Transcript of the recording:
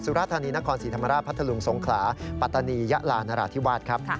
ราธานีนครศรีธรรมราชพัทธลุงสงขลาปัตตานียะลานราธิวาสครับ